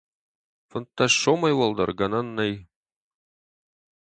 Фынддӕс сомӕй уӕлдӕр гӕнӕн нӕй.